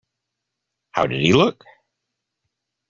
How did he look?